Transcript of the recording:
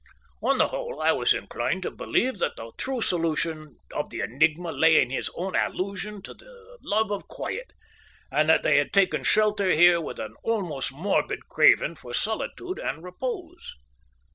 On the whole, I was inclined to believe that the true solution of the enigma lay in his own allusion to the love of quiet, and that they had taken shelter here with an almost morbid craving for solitude and repose.